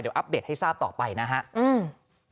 เดี๋ยวอัปเดตให้ทราบต่อไปนะครับ